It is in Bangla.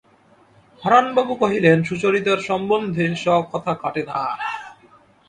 হারানবাবু কহিলেন, সুচরিতার সম্বন্ধে এ কথা খাটে না।